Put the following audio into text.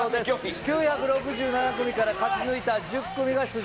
９６７組から勝ち抜いた１０組が出場。